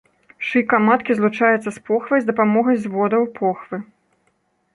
Шыйка маткі злучаецца з похвай з дапамогай зводаў похвы.